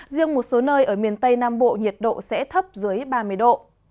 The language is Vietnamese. riêng một số nơi ở miền tây nam bộ nhiệt độ sẽ thấp dưới ba mươi độ